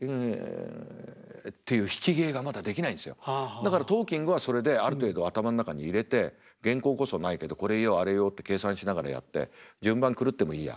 だから「トーキング」はそれである程度頭の中に入れて原稿こそないけどこれ言おうあれ言おうって計算しながらやって順番狂ってもいいや。